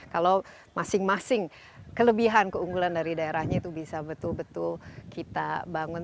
kalau masing masing kelebihan keunggulan dari daerahnya itu bisa betul betul kita bangun